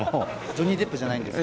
ジョニー・デップじゃないんですか？